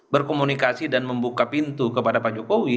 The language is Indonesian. berkomunikasi dan membuka pintu kepada pak jokowi